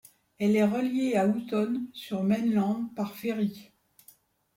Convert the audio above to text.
Elle est reliée à Houton, sur Mainland, par ferry.